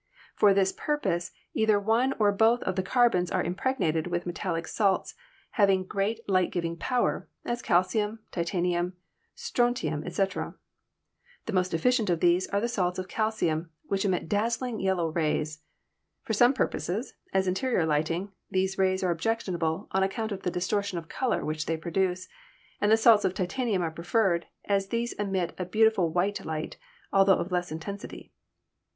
For this purpose either one or both of the carbons are impregnated with metallic salts having great light giving power, as calcium, titanium, strontium, etc. The most efficient of these are the salts of calcium, which emit dazzling yellow rays. For some purposes — as interior lighting — these rays are objectionable on account of the distortion of color which they produce, and the salts of titanium are preferred, as these emit a beautiful white light, altho of less intensity.